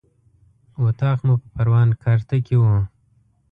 اطاق مو په پروان کارته کې و.